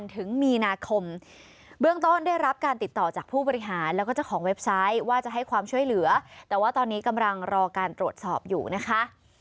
แต่ว่าตอนนี้กำลังรอการตรวจสอบอยู่นะคะ